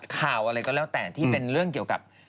ข่าวอะไรก็แล้วแต่ที่เป็นเรื่องเกี่ยวกับ